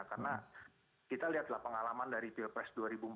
karena kita lihatlah pengalaman dari pilpres dua ribu empat belas